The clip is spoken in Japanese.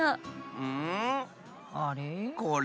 うん？あれ？